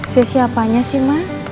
sia sia apanya sih mas